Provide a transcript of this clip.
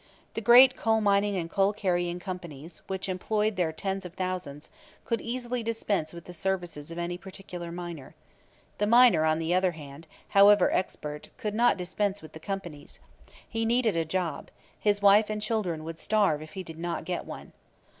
The great coal mining and coal carrying companies, which employed their tens of thousands, could easily dispense with the services of any particular miner. The miner, on the other hand, however expert, could not dispense with the companies. He needed a job; his wife and children would starve if he did not get one.